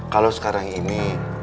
kalau sekarang ini